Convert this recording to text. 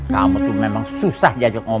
kamu tuh memang susah diajak ngomong